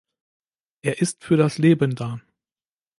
Er ist für das Leben da.